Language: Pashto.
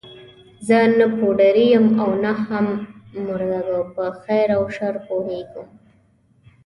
زه نه پوډري یم او نه هم مرده ګو، په خیر او شر پوهېږم.